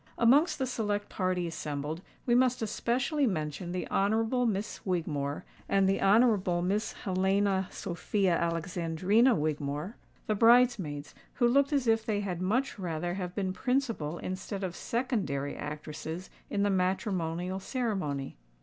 Amongst the select party assembled, we must especially mention the Honourable Miss Wigmore and the Honourable Miss Helena Sophia Alexandrina Wigmore—the bridesmaids, who looked as if they had much rather have been principal instead of secondary actresses in the matrimonial ceremony.